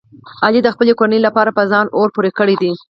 علي د خپلې کورنۍ لپاره په ځان اور پورې کړی دی.